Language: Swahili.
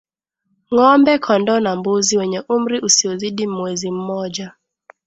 Ng'ombe kondoo na mbuzi wenye umri usiozidi mwezi mmoja